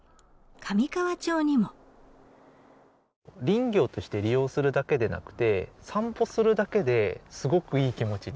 林業として利用するだけではなくて散歩するだけですごくいい気持ちになれると。